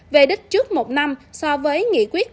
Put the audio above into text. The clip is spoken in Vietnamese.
về đích trước một năm so với nghị quyết